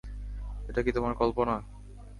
এটা কি তোমার কল্পনা?